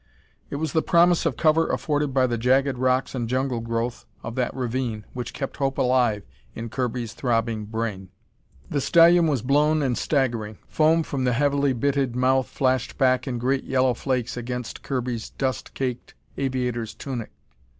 It was the promise of cover afforded by the jagged rocks and jungle growth of that ravine which kept hope alive in Kirby's throbbing brain. The stallion was blown and staggering. Foam from the heavily bitted mouth flashed back in great yellow flakes against Kirby's dust caked aviator's tunic.